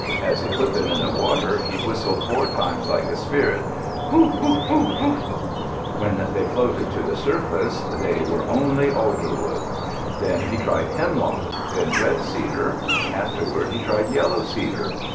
As he put them in the water, he whistled four times like a spirit, "Whu, whu, whu, whu." When they floated to the surface they were only alder wood. Then he tried hemlock, then red cedar. Afterward he tried yellow cedar.